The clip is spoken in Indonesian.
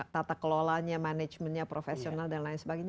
tata kelolanya manajemennya profesional dan lain sebagainya